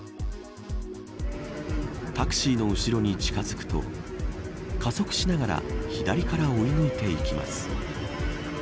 タクシーの後ろに近づくと加速しながら左から追い抜いていきます。